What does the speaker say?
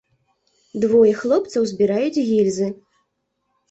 Двое хлопцаў збіраюць гільзы.